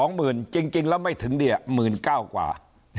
หมื่นจริงแล้วไม่ถึงเนี่ย๑๙๐๐กว่า